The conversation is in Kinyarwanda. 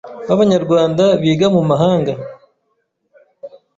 b’abanyarwanda biga mu mahanga